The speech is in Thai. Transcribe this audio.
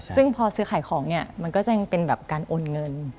ซึ่งพอซื้อขายของเนี่ยมันก็จะยังเป็นแบบการโอนเงิน